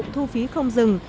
các trạm thu phí không dừng